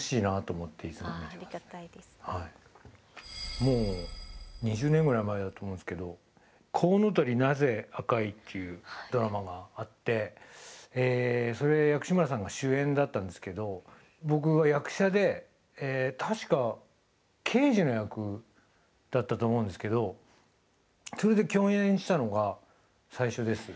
もう２０年ぐらい前だと思うんですけど「コウノトリなぜ紅い」っていうドラマがあってそれ薬師丸さんが主演だったんですけど僕が役者で確か刑事の役だったと思うんですけどそれで共演したのが最初です。